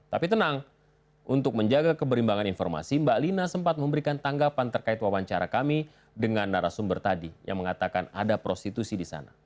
tapi tenang untuk menjaga keberimbangan informasi mbak lina sempat memberikan tanggapan terkait wawancara kami dengan narasumber tadi yang mengatakan ada prostitusi di sana